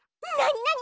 なに？